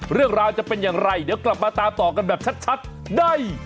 เรื่องราวจะเป็นอย่างไรเดี๋ยวกลับมาตามต่อกันแบบชัดได้